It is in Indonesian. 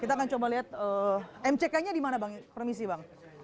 kita akan coba lihat mck nya di mana bang permisi bang